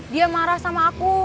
dia marah sama aku